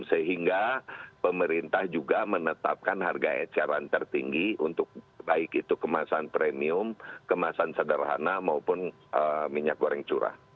sehingga pemerintah juga menetapkan harga eceran tertinggi untuk baik itu kemasan premium kemasan sederhana maupun minyak goreng curah